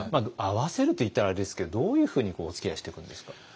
合わせると言ったらあれですけどどういうふうにおつきあいしていくんですか？